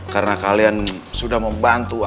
karena kalian sudah membantu aku